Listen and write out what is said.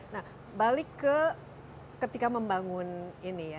nah balik ke ketika membangun ini ya